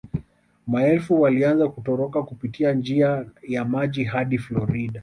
Maelfu walianza kutoroka kupitia njia ya maji hadi Florida